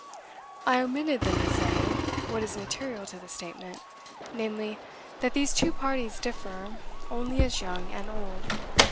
I omitted then to say, what is material to the statement, namely, that these two parties differ only as young and old.